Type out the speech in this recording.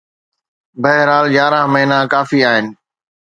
بهرحال، يارهن مهينا ڪافي آهن.